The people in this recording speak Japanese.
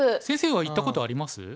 先生は行ったことあります？